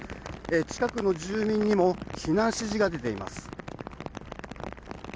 近くの住民にも避難指示が出ています。